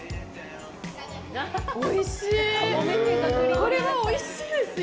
これはおいしいですよ。